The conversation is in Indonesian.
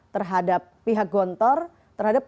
terhadap pihak gontor terhadap